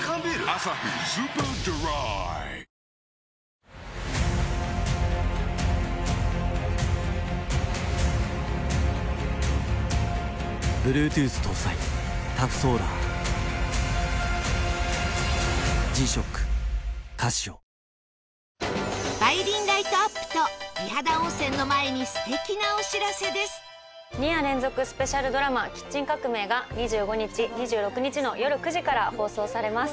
「アサヒスーパードライ」梅林ライトアップと美肌温泉の前に２夜連続スペシャルドラマ『キッチン革命』が２５日２６日のよる９時から放送されます。